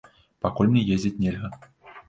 Пакуль мне ездзіць нельга.